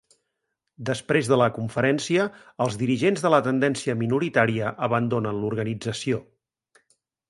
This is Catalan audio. Després de la Conferència, els dirigents de la tendència minoritària abandonen l'organització.